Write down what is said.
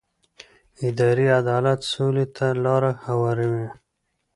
اداري عدالت سولې ته لاره هواروي